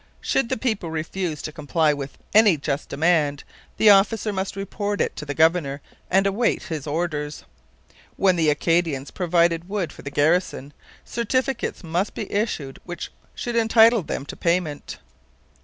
Should the people refuse to comply with any just demand, the officer must report it to the governor and await his orders. When the Acadians provided wood for the garrison, certificates must be issued which should entitle them to payment.